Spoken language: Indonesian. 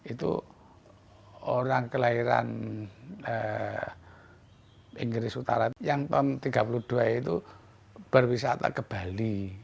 itu orang kelahiran inggris utara yang tahun tiga puluh dua itu berwisata ke bali